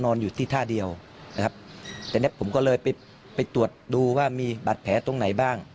อยู่ที่ท่าเดียวนะครับแต่เนี้ยผมก็เลยไปไปตรวจดูว่ามีบาดแผลตรงไหนบ้าง